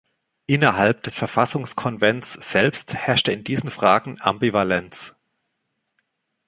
Innerhalb des Verfassungskonvents selbst herrschte in diesen Fragen Ambivalenz.